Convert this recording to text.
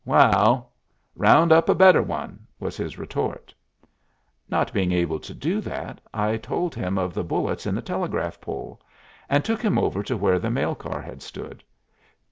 "Waal, round up a better one," was his retort. Not being able to do that, I told him of the bullets in the telegraph pole, and took him over to where the mail car had stood.